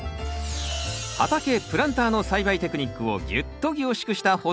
畑プランターの栽培テクニックをギュッと凝縮した保存版。